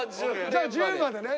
じゃあ１０までね。